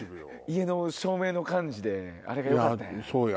家の照明の感じであれがよかったんや。